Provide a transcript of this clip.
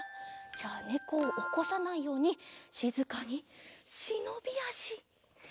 じゃあねこをおこさないようにしずかにしのびあし。